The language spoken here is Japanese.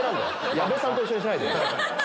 「矢部さん」と一緒にしないで。